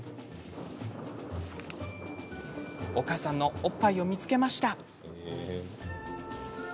お母さんのおっぱいを見つけました。